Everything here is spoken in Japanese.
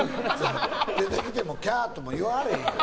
出てきてもキャーとも言われへんやん。